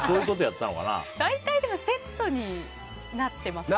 大体セットになってますよね。